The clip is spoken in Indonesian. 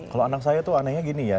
kalau anak saya tuh anehnya gini ya